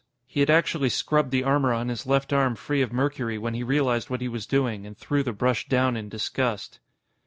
He had actually scrubbed the armor on his left arm free of mercury when he realized what he was doing and threw the brush down in disgust.